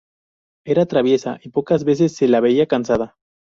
Era traviesa y pocas veces se la veía cansada.